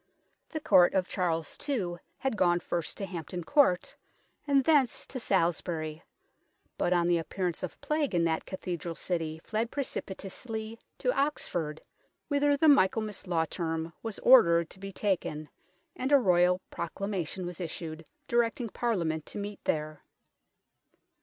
The Court of Charles II. had gone first to Hampton Court, and thence to Salisbury, but on the appearance of Plague in that cathedral city fled precipitately to Oxford, whither the Michaelmas law term was ordered to be taken, and a Royal Proclamation was issued directing Parliament to meet there.